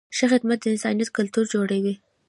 ښه خدمت د انسانیت کلتور جوړوي.